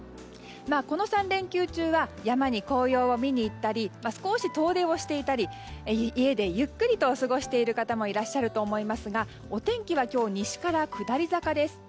この３連休中は山に紅葉を見に行ったり少し遠出をしていたり家でゆっくり過ごしている方もいらっしゃると思いますがお天気は今日西から下り坂です。